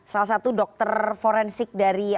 salah satu dokter forensik dari